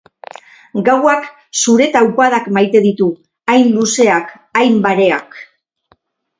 Gauak zure taupadak maite ditu, hain luzeak, hain bareak.